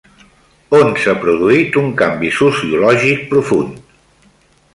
On s'ha produït un canvi sociològic profund?